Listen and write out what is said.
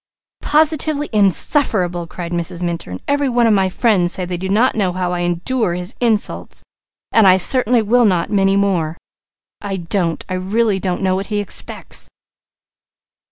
"Positively insufferable!" cried Mrs. Minturn. "Every one of my friends say they do not know how I endure his insults and I certainly will not many more. I don't, I really don't know what he expects."